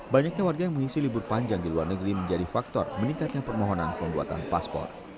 banyaknya warga yang mengisi libur panjang di luar negeri menjadi faktor meningkatnya permohonan pembuatan paspor